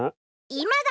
いまだ！